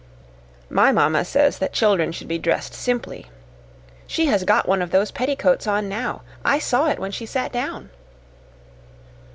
My mamma says that children should be dressed simply. She has got one of those petticoats on now. I saw it when she sat down."